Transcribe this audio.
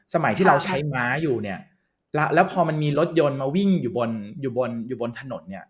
สมัยที่เราใช้ม้าอยู่แล้วพอมีรถยนต์มาวิ่งอยู่บนถนน